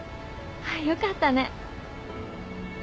よかったね。